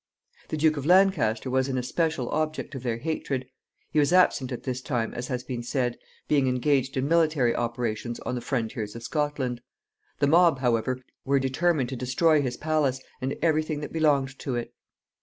The Duke of Lancaster was an especial object of their hatred. He was absent at this time, as has been said, being engaged in military operations on the frontiers of Scotland. The mob, however, were determined to destroy his palace, and every thing that belonged to it.